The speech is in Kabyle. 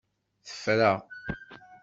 Tefra!